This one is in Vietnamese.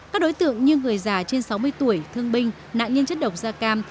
các đối tượng như người già trên sáu mươi tuổi thương binh nạn nhân chất độc da cam